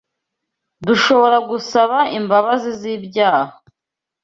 Dushobora gusaba imbabazi z’ibyaha